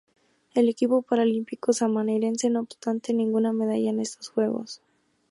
El equipo paralímpico sanmarinense no obtuvo ninguna medalla en estos Juegos.